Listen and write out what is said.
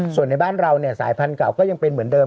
ส่วนในบ้านเราสายพันธุ์เก่าก็ยังเป็นเหมือนเดิม